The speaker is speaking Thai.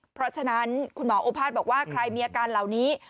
เพราะฉะนั้นคุณหมอโอภาษบอกว่าใครมีอาการเหล่านี้